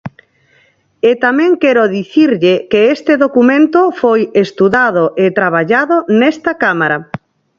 E tamén quero dicirlle que este documento foi estudado e traballado nesta Cámara.